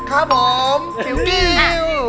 ครับผมหิวชิว